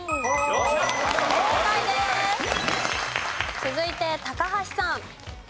続いて高橋さん。